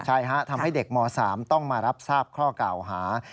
ใช่ฮะทำให้เด็กม๓ต้องมารับทราบข้อกล่าวหา